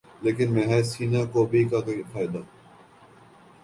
لیکن محض سینہ کوبی کا کیا فائدہ؟